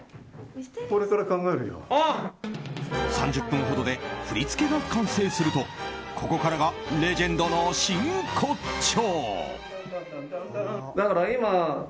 ３０分ほどで振り付けが完成するとここからがレジェンドの真骨頂。